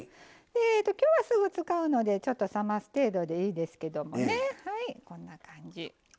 今日はすぐ使うのでちょっと冷ます程度でいいですけどもねはいこんな感じ。